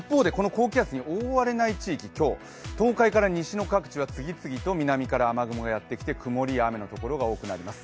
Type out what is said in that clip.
一方でこの高気圧に覆われない地域今日、東海から西の地域は次々と南から雨雲がやってきて雨になります。